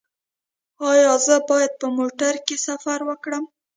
ایا زه باید په موټر کې سفر وکړم؟